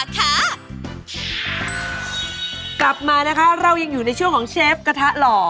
กลับมานะคะเรายังอยู่ในช่วงของเชฟกระทะหล่อ